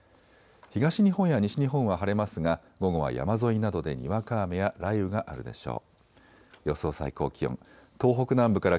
東日本や西日本は晴れますが午後は山沿いなどでにわか雨や雷雨があるでしょう。